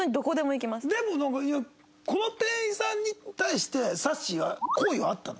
でもなんかいやこの店員さんに対してさっしーは好意はあったの？